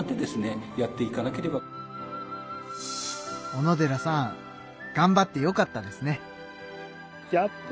小野寺さんがんばってよかったですね。